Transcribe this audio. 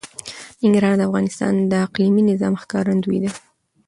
ننګرهار د افغانستان د اقلیمي نظام ښکارندوی ده.